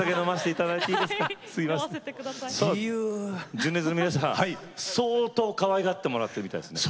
純烈の皆さんはかわいがってもらってるみたいですね。